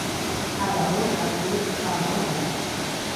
მთავარ როლს ასრულებს ფრანკო ნერო.